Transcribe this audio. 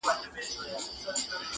• شمع ده چي مړه سي رڼا نه لري -